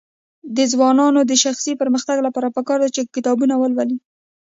د ځوانانو د شخصي پرمختګ لپاره پکار ده چې کتابونه ولولي.